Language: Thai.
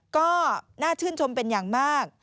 ก็น่าชื่นชมเป็นอย่างมาก